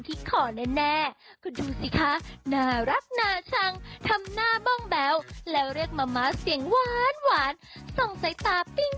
ที่สุดเลยหรอกคะในโลกไหนที่สุดในโลกไหน